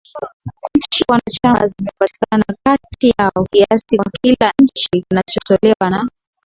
Nchi wanachama zimepatana kati yao kiasi kwa kila nchi kinachotolewa na